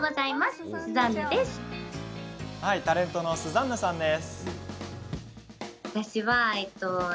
タレントのスザンヌさんです。